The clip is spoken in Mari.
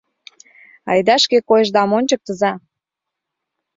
Айда шке койышдам ончыктыза!